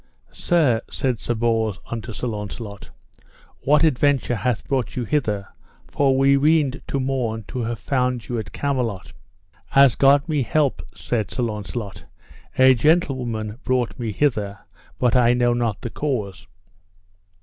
Sir, said Sir Bors unto Sir Launcelot, what adventure hath brought you hither, for we weened to morn to have found you at Camelot? As God me help, said Sir Launcelot, a gentlewoman brought me hither, but I know not the cause.